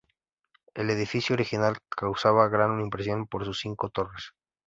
El edificio original causaba gran impresión por sus cinco torres.